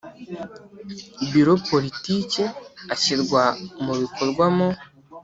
Biro Politiki ashyirwa mu bikorwa mu